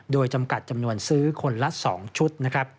โดยจำกัดจำนวนซื้อคนละ๒ชุด